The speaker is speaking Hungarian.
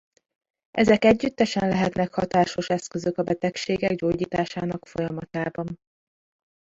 Ezek együttesen lehetnek hatásos eszközök a betegségek gyógyításának folyamatában.